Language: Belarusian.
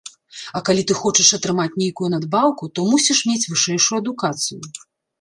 А калі ты хочаш атрымаць нейкую надбаўку, то мусіш мець вышэйшую адукацыю.